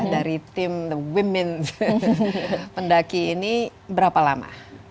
dari tim the women pendaki ini berapa lama